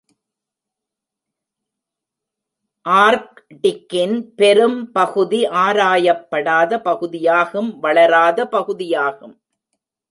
ஆர்க்டிக்கின் பெரும் பகுதி ஆராயப்படாத பகுதியாகும் வளராத பகுதியாகும்.